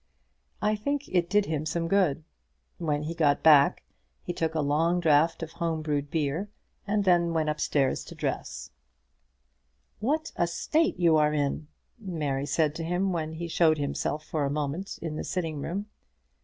I think it did him some good. When he got back he took a long draught of home brewed beer, and then went up stairs to dress himself. "What a state you are in," Mary said to him when he showed himself for a moment in the sitting room.